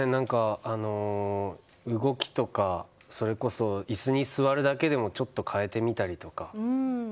動きとか、それこそ椅子に座るだけでもちょっと変えてみたりとか。